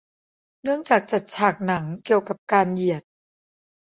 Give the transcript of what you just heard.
เนื่องจากจัดฉายหนังเกี่ยวกับการเหยียด